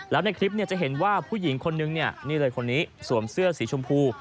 แล้วในคลิปจะเห็นว่าผู้หญิงคนนึงเนี่ยนี่เลยคนนี้สวมเสื้อสีชมพู